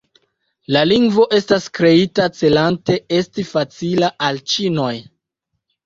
La lingvo estas kreita celante esti facila al ĉinoj.